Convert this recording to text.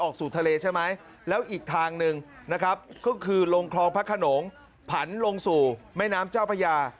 สู่ทะเลใช่ไหมแล้วอีกทางหนึ่งนะครับก็คือลงคลองพระขนงผันลงสู่แม่น้ำเจ้าพญา